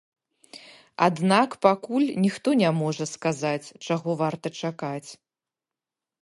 Аднак пакуль ніхто не можа сказаць, чаго варта чакаць.